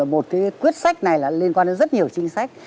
một cái quyết sách này là liên quan đến rất nhiều chính sách